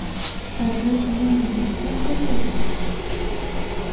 Абра дааины дышԥахәыҵатәа?